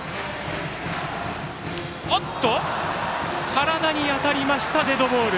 体に当たりましたデッドボール。